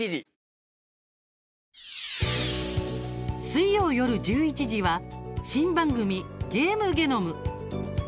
水曜夜１１時は新番組「ゲームゲノム」。